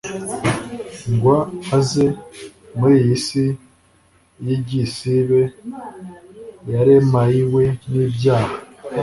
ngw aze muriyi si yigisibe yaremaiwe nibyaha